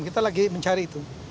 kita lagi mencari itu